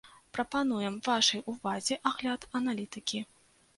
Прапануем вашай увазе агляд аналітыкі.